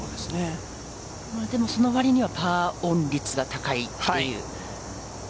でもその割にはパーオン率が高いという。